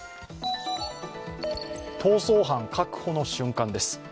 逃走犯確保の瞬間です。